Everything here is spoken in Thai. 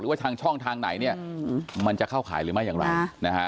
หรือว่าทางช่องทางไหนมันจะเข้าขายหรือไม่อย่างไร